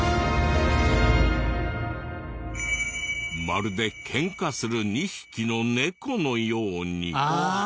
まるでケンカする２匹のネコのように。